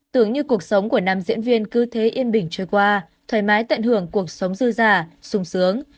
tưởng như cuộc sống của nam diễn viên cứ thế yên bình trôi qua thoải mái tận hưởng cuộc sống dư giả sung sướng